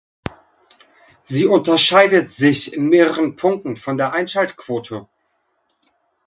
Sie unterscheidet sich in mehreren Punkten von der Einschaltquote.